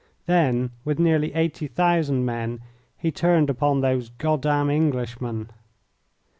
Then with nearly eighty thousand men, he turned upon these "Goddam" Englishmen.